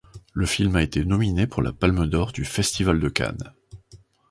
Le film a été nominé pour la Palme d'Or du Festival de Cannes.